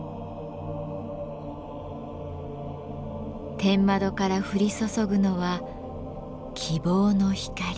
天窓から降り注ぐのは「希望の光」。